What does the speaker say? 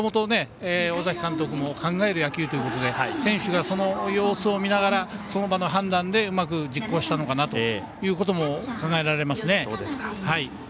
もともと尾崎監督も考える野球ということで選手がその様子を見ながらその場の判断でうまく実行したのかなということも考えられますね。